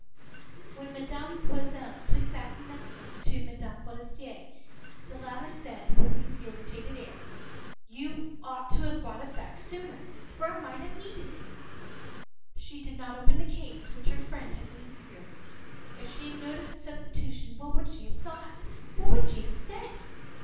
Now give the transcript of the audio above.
p>When Mme. Loisel took back the necklace to Mme. Forester, the latter said, with an irritated air:—“You ought to have brought it back sooner, for I might have needed it.”She did not open the case, which her friend had been fearing. If she had noticed the substitution, what would she have thought? What would she have said?